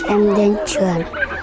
em đến trường